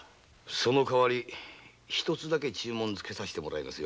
その代わり一つだけ注文をつけさせてもらいますよ。